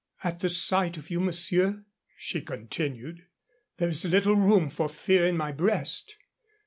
"At the sight of you, monsieur," she continued, "there is little room for fear in my breast.